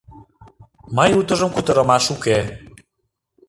— Мый утыжым кутырымаш уке.